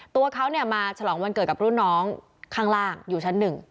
ตัวเขามาฉลองวันเกิดกับรุ่นน้องข้างล่างอยู่ชั้น๑